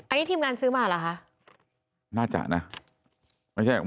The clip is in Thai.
อันนี้ทีมงานซื้อมาเหรอคะน่าจะนะไม่ใช่ของ